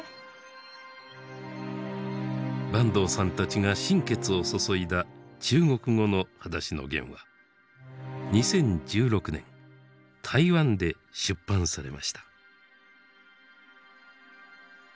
坂東さんたちが心血を注いだ中国語の「はだしのゲン」は２０１６年台湾で出版されました。